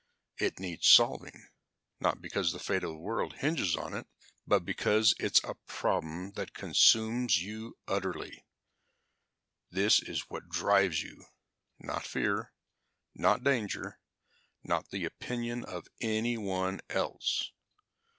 It needs solving, not because the fate of the world hinges on it, but because it's a problem that consumes you utterly. This is what drives you, not fear, not danger, not the opinion of anyone else.